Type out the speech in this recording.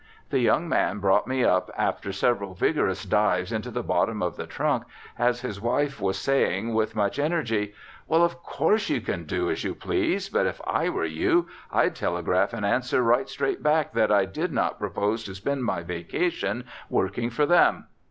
The young man brought me up after several vigorous dives into the bottom of the trunk, as his wife was saying with much energy: "Well, of course, you can do as you please, but if I were you I'd telegraph an answer right straight back that I did not propose to spend my vacation working for them.